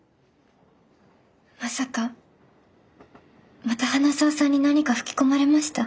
まさかまた花澤さんに何か吹き込まれました？